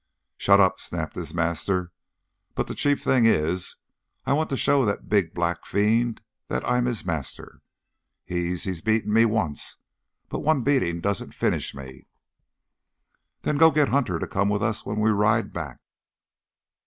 "Shut up," snapped his master. "But the chief thing is, I want to show that big black fiend that I'm his master. He he's beaten me once. But one beating doesn't finish me!" "Then go get Hunter to come with us when we ride back."